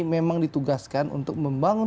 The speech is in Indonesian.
memang ditugaskan untuk membangun